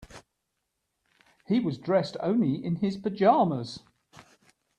He was dressed only in his pajamas.